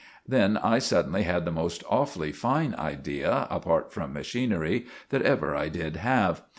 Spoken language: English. Then I suddenly had the most awfully fine idea, apart from machinery, that ever I did have.